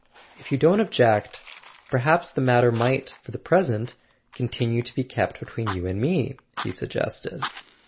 "If you don't object—perhaps the matter might, for the present, continue to be kept between you and me," he suggested.